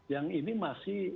yang ini masih